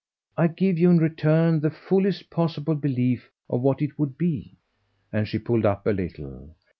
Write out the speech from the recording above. I give you in return the fullest possible belief of what it would be " And she pulled up a little.